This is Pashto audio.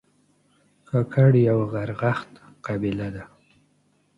کاکړ یو غرغښت قبیله ده